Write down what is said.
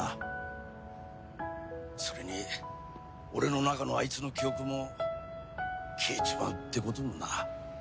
それに俺の中のあいつの記憶も消えちまうってこともな。